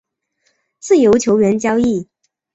自由球员交易